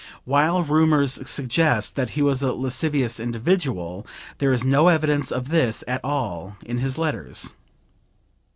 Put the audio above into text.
While rumors suggest that he was a lascivious individual, there is no evidence of this at all in his letters.